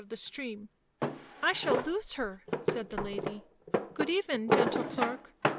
f th<i stream. u I shall lose her," said the lady. " Good even, gentle clerk.